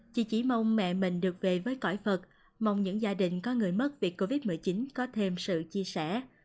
chị chỉ mong mẹ mình được về với cõi phật mong những gia đình có người mất việc covid một mươi chín có thêm sự chia sẻ